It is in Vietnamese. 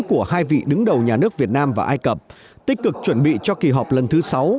của hai vị đứng đầu nhà nước việt nam và ai cập tích cực chuẩn bị cho kỳ họp lần thứ sáu